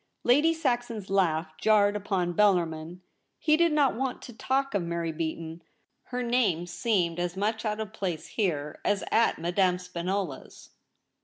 Lady Saxon's laugh jarred upon Bellarmin. He did not want to talk of Mary Beaton. Her name seemed as much out of place here as at Madame Spinola's.